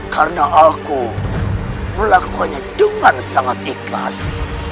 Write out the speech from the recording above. karena aku melakukannya dengan sangat ikhlas